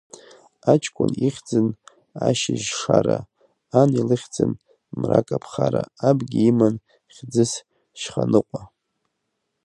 Аҷкәын ихьӡын Ашьыжь-шара, ан илыхьӡын Мра-каԥхара, абгьы иман хьӡыс Шьханыҟәа.